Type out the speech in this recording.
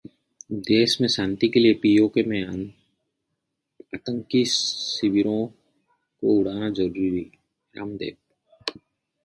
देश में शांति के लिए PoK में आतंकी शिविरों को उड़ाना जरूरी: रामदेव